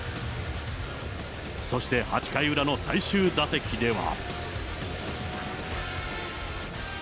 そして８回裏の最終打席では。